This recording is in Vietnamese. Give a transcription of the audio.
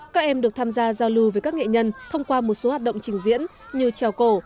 các em được tham gia giao lưu với các nghệ nhân thông qua một số hoạt động trình diễn như trèo cổ